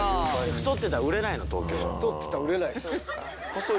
太ってたら売れないっす。